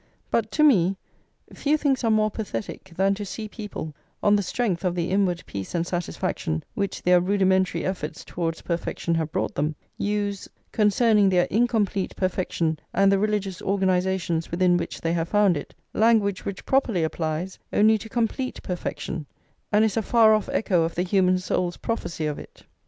But to me few things are more pathetic than to see people, on the strength of the inward peace and satisfaction which their rudimentary efforts towards perfection have brought them, use, concerning their incomplete perfection and the religious organisations within which they have found it, language which properly applies only to complete perfection, and is a far off echo of the human soul's prophecy of it.